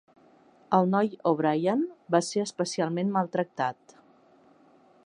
El noi, O'Brien, va ser especialment maltractat.